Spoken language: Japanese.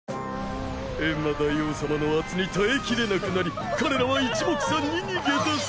エンマ大王様の圧に耐えきれなくなり彼らは一目散に逃げ出す。